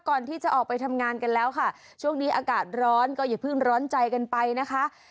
ก่อนที่จะออกไปทำงานกันแล้วค่ะช่วงนี้อากาศร้อนก็อย่าเพิ่งร้อนใจกันไปนะคะ